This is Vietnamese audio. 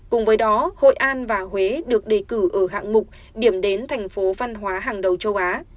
cùng với đó hội an và huế được đề cử ở hạng mục điểm đến thành phố văn hóa hàng đầu châu á